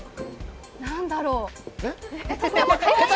何だろう？